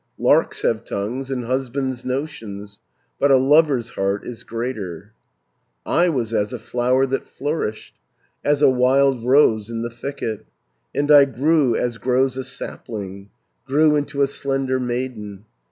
Larks have tongues, and husbands notions; But a lover's heart is greater. 500 "I was as a flower that flourished, As a wild rose in the thicket, And I grew as grows a sapling, Grew into a slender maiden.